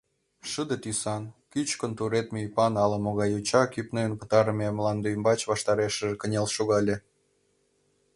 Шыде тӱсан, кӱчыкын тӱредме ӱпан ала-могай йоча кӱнчен пытарыме мландӱмбач ваштарешыже кынел шогале.